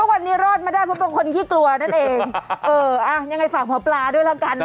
วันนี้รอดมาได้เพราะเป็นคนขี้กลัวนั่นเองเอออ่ะยังไงฝากหมอปลาด้วยแล้วกันนะ